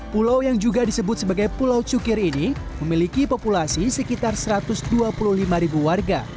pulau yang juga disebut sebagai pulau cukir ini memiliki populasi sekitar satu ratus dua puluh lima ribu warga